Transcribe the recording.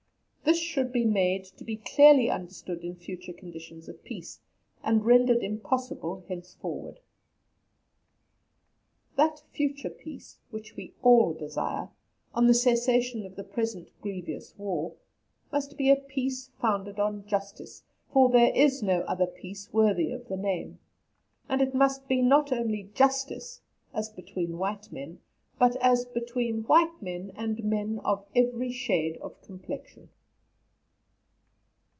This should be made to be clearly understood in future conditions of peace, and rendered impossible henceforward. That future peace which we all desire, on the cessation of the present grievous war, must be a peace founded on justice, for there is no other peace worthy of the name; and it must be not only justice as between white men, but as between white men and men of every shade of complexion.